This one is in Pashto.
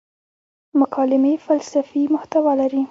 مکالمې فلسفي محتوا لري.